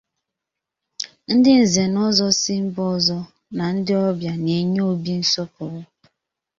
Ndị nze n'ọzọ si mba ọzọ na ndị ọbịa na-enye Obi nsọpụrụ.